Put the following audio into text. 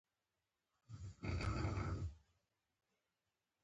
بامیان د افغانستان د ولایاتو په کچه یو توپیر لري.